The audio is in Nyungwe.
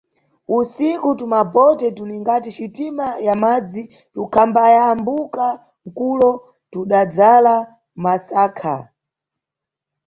Usiku tumabote tuningati xitima ya mʼmadzi tukhambayambuka mkulo tudadzala masakha.